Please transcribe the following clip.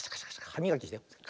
はみがきしてるの。